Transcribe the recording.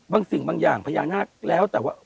บางสิ่งบางอย่างพญาหนาคแล้วแต่ว่าพญาหนาค